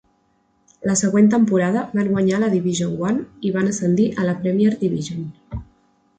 La següent temporada van guanyar la Division One i van ascendir a la Premier Division.